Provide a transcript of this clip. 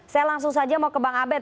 saya langsung saja mau ke bang abed